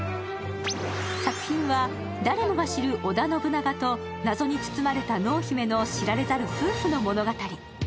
作品は、誰もが知る織田信長と謎に包まれた濃姫の知られざる夫婦の物語。